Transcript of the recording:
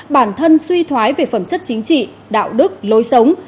bản thân suy thoái về phẩm chất chính trị đạo đức lối sống